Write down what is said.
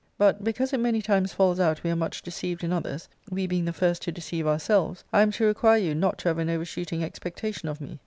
But, because it many times falls out we are much de ceived in others, we being the first to deceive ourselves, I am to require you not to have an overshooting expectation of me.